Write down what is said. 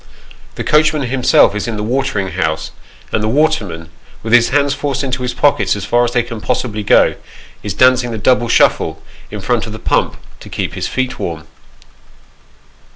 The coachman himself is in the watering house ; and the waterman, with his hands forced into his pockets as far as they can possibly go, is dancing the " double shuffle," in front of the pump, to keep his feet warm.